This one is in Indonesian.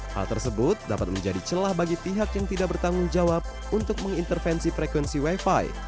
hal tersebut dapat menjadi celah bagi pihak yang tidak bertanggung jawab untuk mengintervensi frekuensi wifi